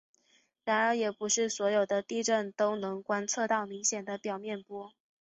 然而也不是所有地震都能观测到明显的表面波。